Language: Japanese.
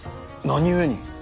何故に。